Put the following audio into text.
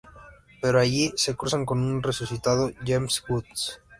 Pero, allí, se cruzan con un resucitado James Woods.